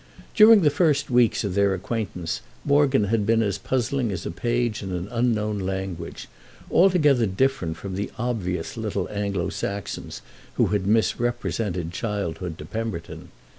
During the first weeks of their acquaintance Morgan had been as puzzling as a page in an unknown language—altogether different from the obvious little Anglo Saxons who had misrepresented childhood to Pemberton.